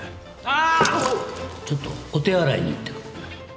ちょっとお手洗いに行ってくる